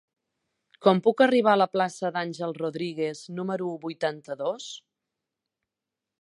Com puc arribar a la plaça d'Àngel Rodríguez número vuitanta-dos?